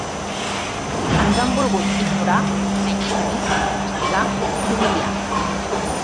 Ens han volgut ignorar, menystenir, castigar i humiliar.